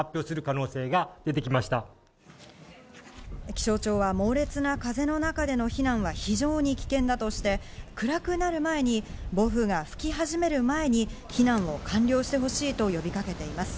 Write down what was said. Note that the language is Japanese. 気象庁は、猛烈な風の中での避難は非常に危険だとして暗くなる前に暴風が吹き始める前に、避難を完了して欲しいと呼びかけています。